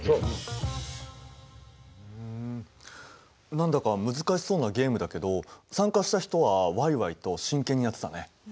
何だか難しそうなゲームだけど参加した人はワイワイと真剣にやってたね。